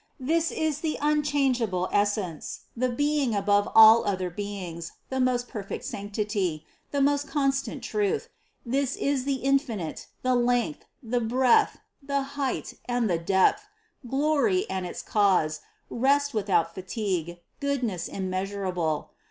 This is the unchangeable Essence, the Being above all other beings, the most perfect sanctity, the most constant truth ; this is the infinite, the length, the breadth, the height and the depth, glory and its cause, rest without fatigue, goodness immeasurable.